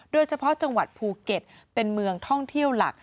โดยเฉพาะจังหวัดภูเก็ตเป็นเมืองท่องเที่ยวหลัก